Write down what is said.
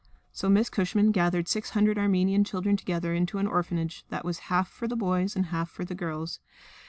So Miss Cushman gathered the six hundred Armenian children together into an orphanage, that was half for the boys and half for the girls.